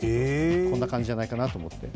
こんな感じじゃないかなと思って。